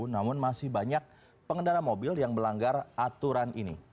namun masih banyak pengendara mobil yang melanggar aturan ini